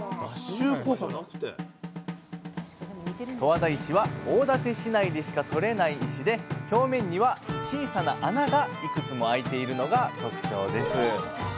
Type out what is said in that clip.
十和田石は大館市内でしかとれない石で表面には小さな穴がいくつもあいているのが特徴です